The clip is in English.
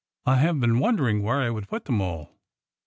'' I have been wondering where I would put them all."